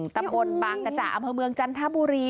ตำบลบางกระจ่าอำเภอเมืองจันทบุรี